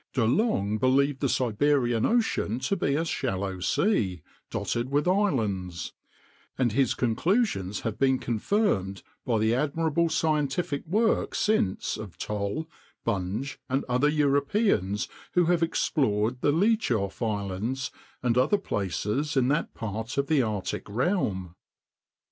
De Long believed the Siberian ocean to be a shallow sea, dotted with islands; and his conclusions have been confirmed by the admirable scientific work since of Toll, Bunge, and other Europeans who have explored the Liachoff Islands and other places in that part of the Arctic realm.